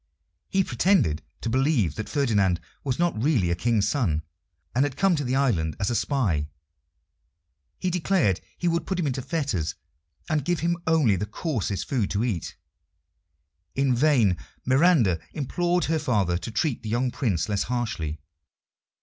He pretended to believe that Ferdinand was not really a King's son, and had come to the island as a spy. He declared he would put him into fetters, and give him only the coarsest food to eat. In vain Miranda implored her father to treat the young Prince less harshly.